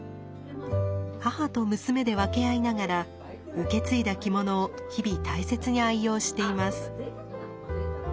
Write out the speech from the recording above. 母と娘で分け合いながら受け継いだ着物を日々大切に愛用しています。